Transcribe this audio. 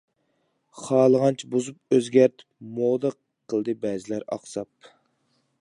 خالىغانچە بۇزۇپ ئۆزگەرتىپ، «مودا» قىلدى بەزىلەر ئاقساپ.